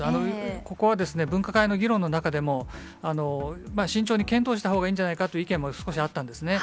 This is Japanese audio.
ここは、分科会の議論の中でも、慎重に検討したほうがいいんじゃないかという意見も少しあったんですね。